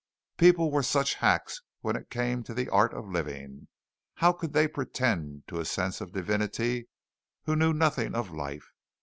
People were such hacks when it came to the art of living. How could they pretend to a sense of Divinity who knew nothing of life?